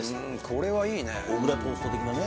これはいいね